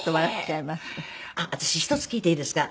あっ私一つ聞いていいですか？